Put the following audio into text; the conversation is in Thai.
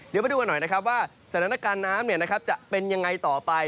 เดี๋ยวมาดูกันหน่อยนะครับว่าสถานการณ์น้ำจะเป็นยังไงต่อไป